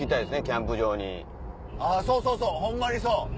あぁそうそうそうホンマにそう。